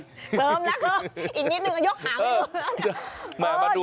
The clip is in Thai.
เติมนะเติมอีกนิดนึงก็ยกหางไปดู